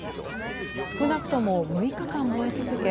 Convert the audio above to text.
少なくとも６日間、燃え続け